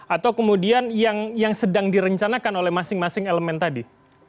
atau kemudian yang sedang direncanakan oleh masing masing elemen tadi